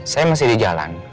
saya masih di jalan